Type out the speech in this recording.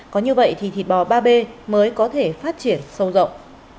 có như vậy thì thịt bò ba b mới có thể phát triển sâu rộng